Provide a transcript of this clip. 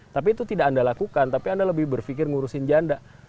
tapi itu tidak anda lakukan tapi anda lebih berpikir ngurusin janda